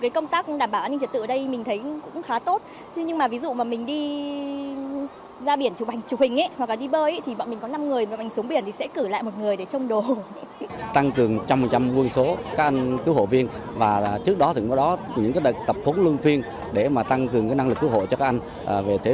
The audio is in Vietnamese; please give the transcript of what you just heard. công tác đảm bảo an ninh trật tự cũng được siết chặt